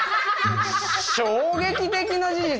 衝撃的な事実。